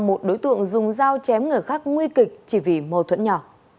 một đối tượng dùng dao chém người khác nguy kịch chỉ vì mâu thuẫn nhỏ